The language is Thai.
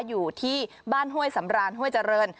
อยู่ที่บ้านห้วยสำรานห้วยเจริญ